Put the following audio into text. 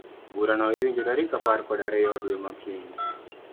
Burano iwinjo tarik apar kod ariyo dwe makiny.